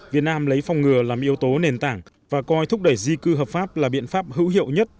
việt nam lấy phòng ngừa làm yếu tố nền tảng và coi thúc đẩy di cư hợp pháp là biện pháp hữu hiệu nhất